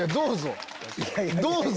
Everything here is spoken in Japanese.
どうぞ！